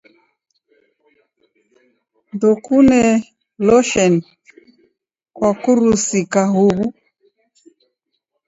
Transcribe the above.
Ndokune losheni kwakurusika huw'u?